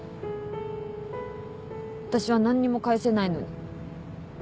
私は何にも返せないのに。